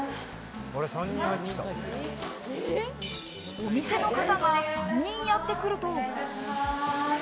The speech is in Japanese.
お店の方が３人やってくると。